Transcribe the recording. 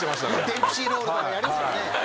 デンプシーロールとかやりますよね。